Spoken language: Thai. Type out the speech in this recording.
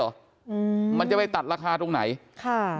อืมมันจะไปตัดราคาตรงไหนค่ะ